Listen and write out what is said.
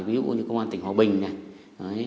ví dụ như công an tỉnh hòa bình này